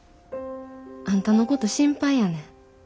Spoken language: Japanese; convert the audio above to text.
あんたのこと心配やねん。